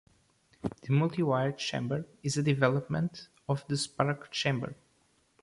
The multi-wire chamber is a development of the spark chamber.